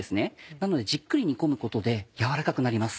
なのでじっくり煮込むことで軟らかくなります。